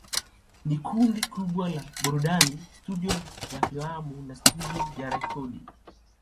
Ni kundi kubwa la burudani, studio ya filamu na studio ya rekodi.